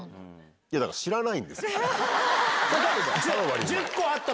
いや、だから知らないんですって。